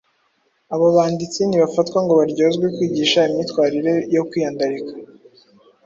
Abo banditsi ntibafatwa ngo baryozwe kwigisha imyitwarire yo kwiyandarika,